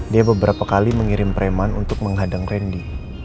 dia beberapa kali mengirim preman untuk menghadang randy